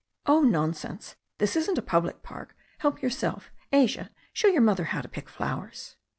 "Oh, nonsense ! This isn't a public park. Help yourself. Asia, show your mother how to pick flowers."